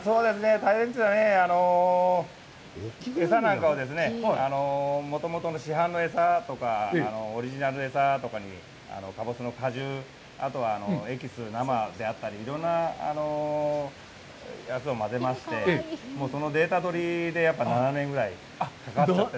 大変というのはね、餌なんかをもともとの市販の餌とかオリジナルの餌とかにかぼすの果汁、あとはエキス、生であったり、いろんなやつをまぜまして、そのデータ取りで７年ぐらいかかりまして。